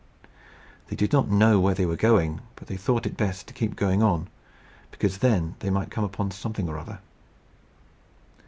They did not know where they were going, but they thought it best to keep going on, because then they might come upon something or other.